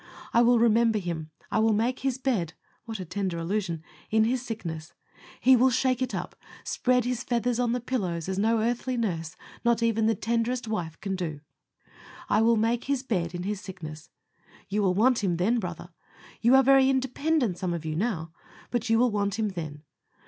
I will remember him; I will make his bed (what a tender allusion!) in his sickness." He will shake it up; spread His feathers on the pillows as no earthly nurse, not even the tenderest wife, can do. "I will make his bed in his sickness." You will want Him then, brother! You are very independent, some of you, now, but you will want Him then.